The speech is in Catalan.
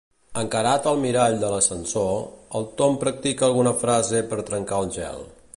Encarat al mirall de l'ascensor, el Tom practica alguna frase per trencar el gel.